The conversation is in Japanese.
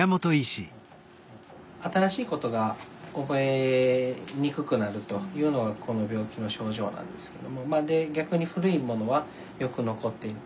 新しい事が覚えにくくなるというのがこの病気の症状なんですけども逆に古いものはよく残っている。